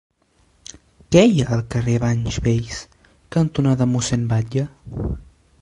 Què hi ha al carrer Banys Vells cantonada Mossèn Batlle?